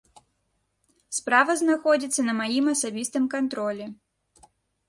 Справа знаходзіцца на маім асабістым кантролі.